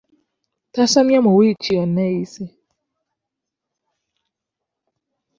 Tasomye mu wiiki yonna eyise.